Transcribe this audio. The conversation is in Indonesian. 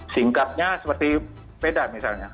singkatnya seperti sepeda misalnya